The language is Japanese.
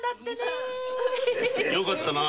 よかったな。